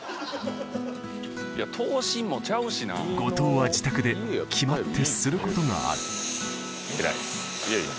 後藤は自宅で決まってすることがある